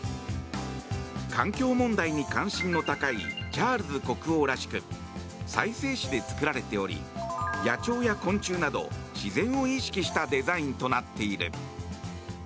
環境問題に関心の高いチャールズ国王らしく再生紙で作られており野鳥や昆虫など、自然を意識したデザインとなっている。